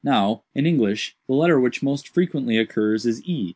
"Now, in English, the letter which most frequently occurs is e.